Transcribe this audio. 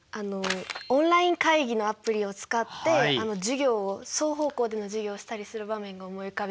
オンライン会議のアプリを使って授業を双方向での授業をしたりする場面が思い浮かびましたね。